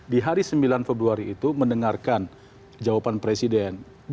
di hari sembilan februari itu mendengarkan jawaban presiden